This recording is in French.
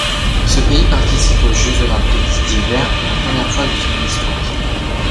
Ce pays participe aux Jeux olympiques d'hiver pour la première fois de son histoire.